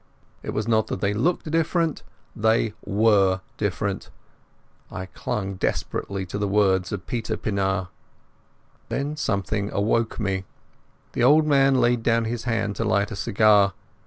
It was not that they looked different; they were different. I clung desperately to the words of Peter Pienaar. Then something awoke me. The old man laid down his hand to light a cigar.